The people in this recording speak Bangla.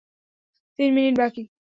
তিন মিনিট বাকি!